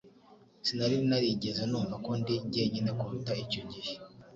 Sinari narigeze numva ko ndi jyenyine kuruta icyo gihe.